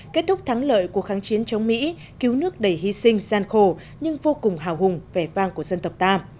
kết thúc thắng lợi của kháng chiến chống mỹ cứu nước đầy hy sinh gian khổ nhưng vô cùng hào hùng vẻ vang của dân tộc ta